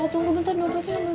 tunggu bentar nolpetnya dulu